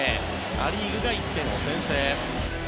ア・リーグが１点を先制。